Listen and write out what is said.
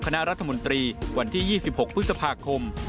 คณะรัฐมนตรีวันที่๒๖พฤษภาคม